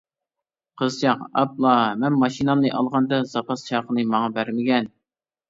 قىزچاق: ئاپلا مەن ماشىنامنى ئالغاندا زاپاس چاقنى ماڭا بەرمىگەن.